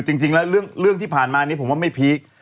จริงแล้วเรื่องที่ผ่านมานี้ผมว่าไม่พีค